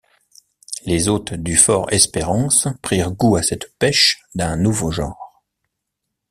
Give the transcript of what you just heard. Les hôtes du Fort-Espérance prirent goût à cette pêche d’un nouveau genre.